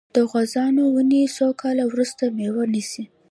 د غوزانو ونې څو کاله وروسته میوه نیسي؟